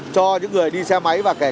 cho những người đi xe máy và kẻ điện